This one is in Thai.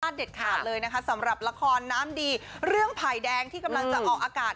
เด็ดขาดเลยนะคะสำหรับละครน้ำดีเรื่องไผ่แดงที่กำลังจะออกอากาศ